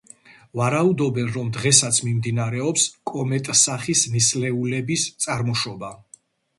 ვარაუდობენ, რომ დღესაც მიმდინარეობს კომეტსახის ნისლეულების წარმოშობა.